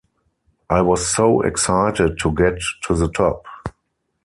I was so excited to get to the top ...